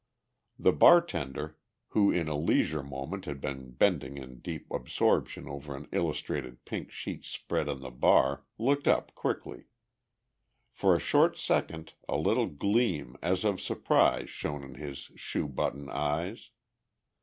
The bartender, who in a leisure moment had been bending in deep absorption over an illustrated pink sheet spread on the bar, looked up quickly. For a short second a little gleam as of surprise shone in his shoe button eyes.